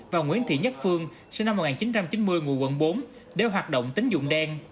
và nguyễn thị nhất phương sinh năm một nghìn chín trăm chín mươi ngụ quận bốn đều hoạt động tính dụng đen